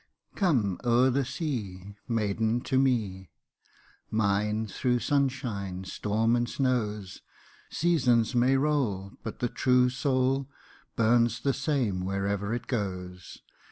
" Come o'er the sea, Maiden to me, Mine through sunshine, storm, and snows. Seasons may roil, But the true soul Burns the same wherever it goes.